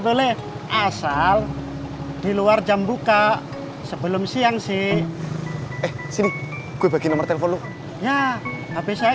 boleh asal di luar jam buka sebelum siang sih gue bagi nomor telepon ya habis saya